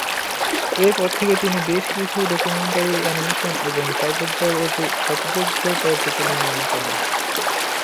এরপর থেকে তিনি বেশ কিছু ডকুমেন্টারি, অ্যানিমেশন এবং স্বল্পদৈর্ঘ্য চলচ্চিত্র নির্মাণ করেন।